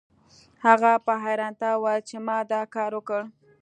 هغه په حیرانتیا وویل چې ما دا کار وکړ